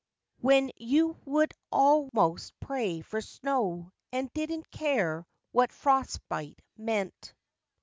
When you would al¬ most pray for snow, and didn't care what frost bite meant.